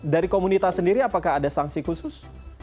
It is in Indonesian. dari komunitas sendiri apakah ada sanksi khusus